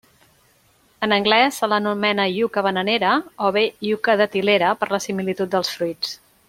En anglès se l'anomena iuca bananera o bé iuca datilera per la similitud dels fruits.